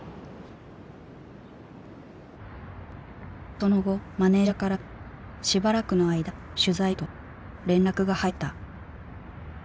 その後マネージャーからしばらくの間取材は控えると連絡が入った。